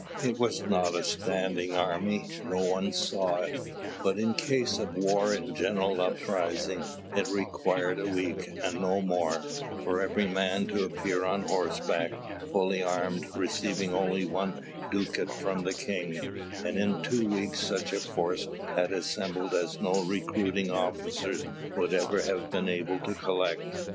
It was not a standing army, no one saw it; but in case of war and general uprising, it required a week, and no more, for every man to appear on horseback, fully armed, receiving only one ducat from the king; and in two weeks such a force had assembled as no recruiting officers would ever have been able to collect.